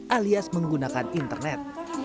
alias menggunakan internet